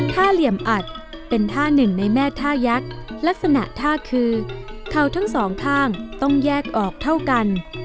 เหลี่ยมอัดเป็นท่าหนึ่งในแม่ท่ายักษ์ลักษณะท่าคือเขาทั้งสองข้างต้องแยกออกเท่ากัน